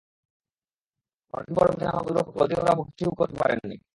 অনেক দিন পরে মাঠে নামা গোলরক্ষক ক্লদিও ব্রাভো কিছুই করতে পারেননি।